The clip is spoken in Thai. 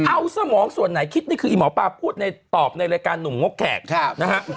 เอาสมองส่วนไหนคิดนี่คืออีหมอปลาพูดในตอบในรายการหนุ่มงกแขกนะฮะ